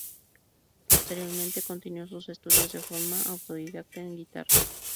Posteriormente continuo sus estudios de forma autodidacta en guitarra.